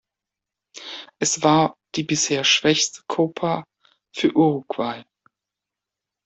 Es war die bisher schwächste „Copa“ für Uruguay.